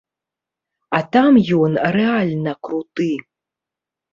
А там ён рэальна круты!